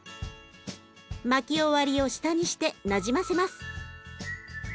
巻き終わりを下にしてなじませます。